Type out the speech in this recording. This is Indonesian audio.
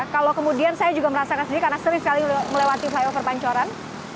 kalau kemudian saya juga merasakan sendiri karena sering sekali melewati flyover pancoran